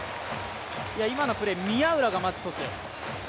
今のプレー、宮浦がまずトス。